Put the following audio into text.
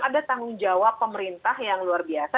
ada tanggung jawab pemerintah yang luar biasa